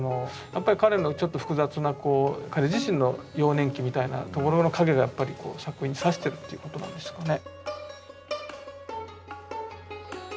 彼のちょっと複雑な彼自身の幼年期みたいなところの影がやっぱり作品にさしているっていうことなんですかね。